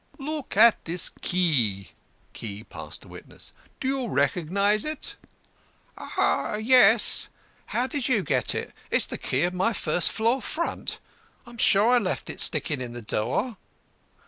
"Look at this key (key passed to witness). Do you recognise it?" "Yes; how did you get it? It's the key of my first floor front. I am sure I left it sticking in the door."